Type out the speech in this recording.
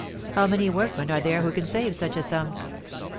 How many workmen are there who can save such a sum?